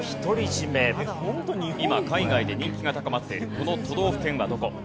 今海外で人気が高まっているこの都道府県はどこ？